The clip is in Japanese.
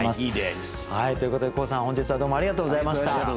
ということで黄さん本日はどうもありがとうございました。